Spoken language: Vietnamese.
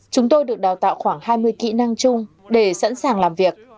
chúng tôi được đào tạo khoảng hai mươi kỹ năng chung để sẵn sàng làm việc